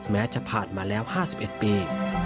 แม้จะผ่านมาแล้ว๕๑ปี